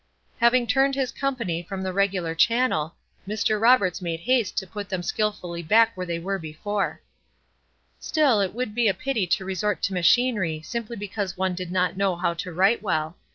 Having turned his company from the regular channel, Mr. Roberts made haste to put them skilfully back where they were before: "Still, it would be a pity to resort to machinery simply because one did not know how to write well.